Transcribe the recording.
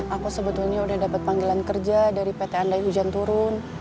aku sebetulnya udah dapat panggilan kerja dari pt andai hujan turun